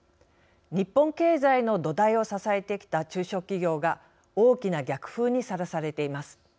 日本経済の土台を支えてきた中小企業が、大きな逆風にさらされています。